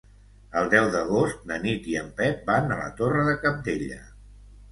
El deu d'agost na Nit i en Pep van a la Torre de Cabdella.